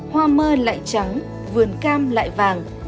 hoa mơ lại trắng vườn cam lại vàng